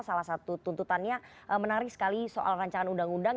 salah satu tuntutannya menarik sekali soal rancangan undang undang